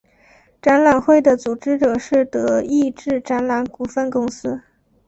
展览会的组织者是德意志展览股份公司。